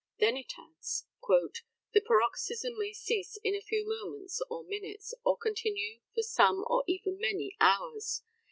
Then, it adds: "The paroxysm may cease in a few moments or minutes, or continue for some or even many hours.